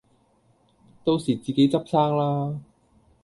到時自己執生啦